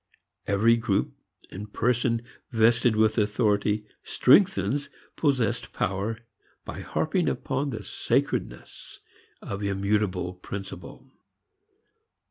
Every group and person vested with authority strengthens possessed power by harping upon the sacredness of immutable principle.